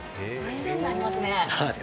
クセになりますね。